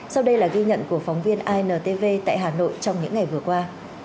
sau đây là ghi nhận của phóng viên intv tại hà nội trong những ngày vừa qua